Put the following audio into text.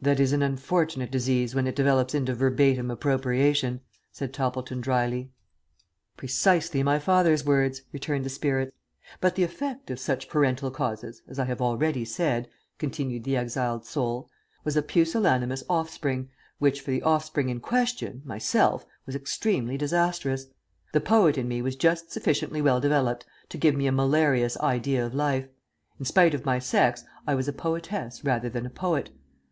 "That is an unfortunate disease when it develops into verbatim appropriation," said Toppleton, drily. "Precisely my father's words," returned the spirit. "But the effect of such parental causes, as I have already said," continued the exiled soul, "was a pusillanimous offspring, which for the offspring in question, myself, was extremely disastrous. The poet in me was just sufficiently well developed to give me a malarious idea of life. In spite of my sex I was a poetess rather than a poet.